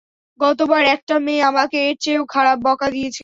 গতবার একটা মেয়ে আমাকে এর চেয়েও খারাপ বকা দিয়েছিল।